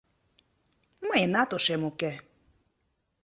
Мыйынат ушем уке...